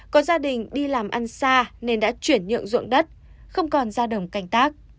có gia đình đi làm ăn xa nên đã chuyển nhượng ruộng đất không còn ra đồng canh tác